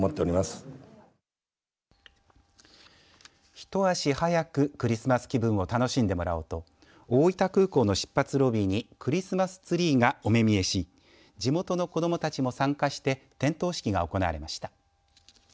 一足早くクリスマス気分を楽しんでもらおうと大分空港の出発ロビーにクリスマスツリーがお目見えし地元の子どもたちも参加して点灯式が行われました。